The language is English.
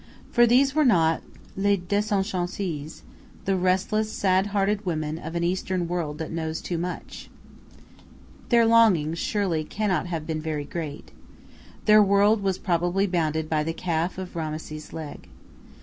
For these were not "Les desenchantees," the restless, sad hearted women of an Eastern world that knows too much. Their longings surely cannot have been very great. Their world was probably bounded by the calf of Rameses's leg.